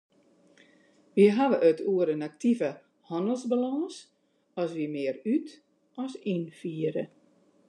Wy hawwe it oer in aktive hannelsbalâns as wy mear út- as ynfiere.